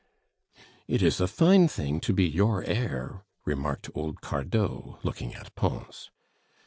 "It is a fine thing to be your heir!" remarked old Cardot, looking at Pons.